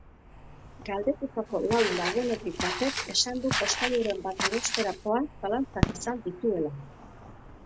Galdekatutako lau lagunetik batek esan du jostailuren bat erostekorakoan zalantzak izan dituela.